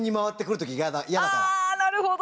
あなるほど。